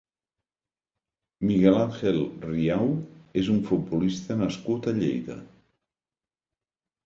Miguel Ángel Riau és un futbolista nascut a Lleida.